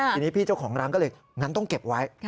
ทีนี้พี่เจ้าของร้านก็เลยงั้นต้องเก็บไว้